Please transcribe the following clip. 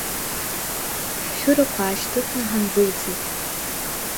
Ҳшәырақәа аашьҭыхны ҳандәылҵит…